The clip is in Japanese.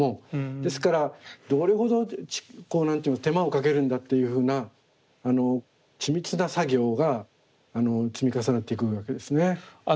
ですからどれほど手間をかけるんだというふうな緻密な作業が積み重なっていくわけですね。